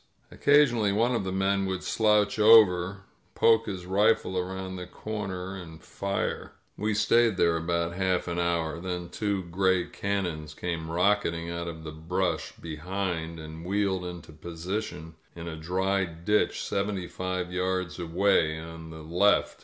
Occasionally one of the men would slouch over, poke his rifle around the corner and fire. ... We stayed there about half an hour. Then two gray 245 INSURGENT BIEXICO cannons came rocketing out of the brash bdiind and wheeled into position in a dry ditdi serenty fire yards away on the left.